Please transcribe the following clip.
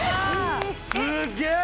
すっげえ！